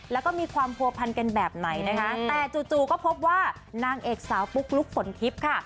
แล้วก็มีความผัวพันกันแบบไหนนะคะแต่จู่ก็พบว่านางเอกสาวปุ๊กลุ๊กฝนทิพย์ค่ะ